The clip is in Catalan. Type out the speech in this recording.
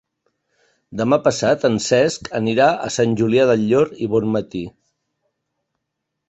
Demà passat en Cesc anirà a Sant Julià del Llor i Bonmatí.